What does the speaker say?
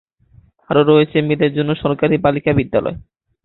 আরো রয়েছে মেয়েদের জন্য সরকারি বালিকা উচ্চবিদ্যালয়।